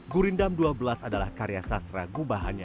gurindam dua belas adalah karya sastra gubahannya